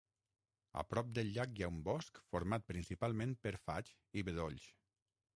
A prop del llac hi ha un bosc format principalment per faigs i bedolls.